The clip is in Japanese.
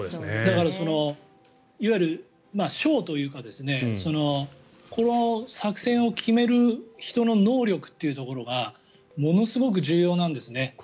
だから、いわゆるショーというかこの作戦を決める人の能力というところがものすごく重要なんですね。